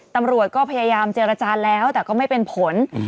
ตำรวจก็พยายามเจรจาแล้วแต่ก็ไม่เป็นผล